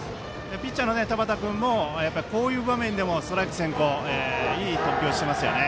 ピッチャーの田端君もこういう場面でもストライク先行でいい投球をしていますね。